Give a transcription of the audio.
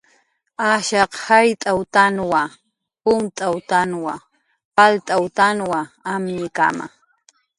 Ashaq jayrt'awtanwa, umt'awtanwa, palt'awtanwa amñkama